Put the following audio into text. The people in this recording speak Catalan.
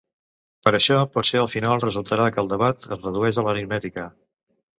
Per això, potser al final resultarà que el debat es redueix a l’aritmètica.